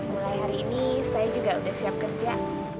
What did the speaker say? mulai hari ini saya juga sudah siap kerja